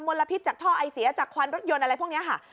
ลพิษจากท่อไอเสียจากควันรถยนต์อะไรพวกนี้ค่ะ